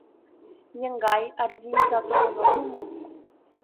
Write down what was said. Еҥгай, Арси иза толын огыл мо?